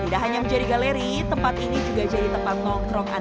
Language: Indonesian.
tidak hanya menjadi galeri tempat ini juga jadi tempat untuk mencari barang barang